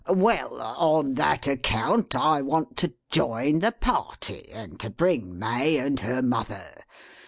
Well! on that account I want to join the party, and to bring May and her mother.